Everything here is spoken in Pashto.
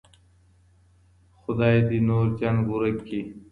خداي دې نور جنګ ورک کړي.